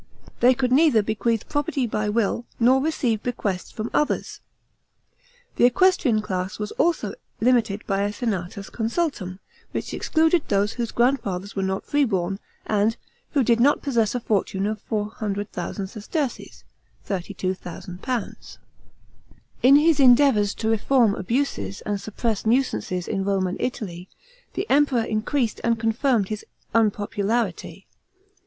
They could neither bequeath property by will, nor receive bequests from others. The equestrian class was also Umited by a senatusconsultum, which excluded those whose grandfathers were not freeborn, and who did not possess a fortune of 400,000 sesterces (£32,000). In his endeavours to reform abuses and suppress nuisances in Rome and Italy, the Emperor increased and confirmed his unpopularity.